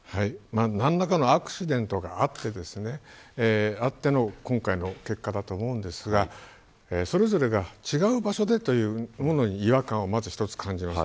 何らかのアクシデントがあっての今回の結果だと思いますがそれぞれが違う場所でというものに違和感を感じます。